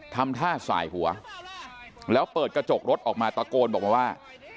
ทำท่าสายหัวแล้วเปิดกระจกรถออกมาตะโกนบอกมาว่า